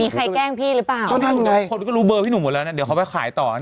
มีใครแกล้งพี่หรือเปล่า